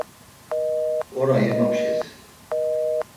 Ora yemapşes.